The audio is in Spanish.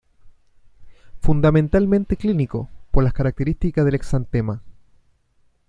Fundamentalmente clínico, por las características del exantema.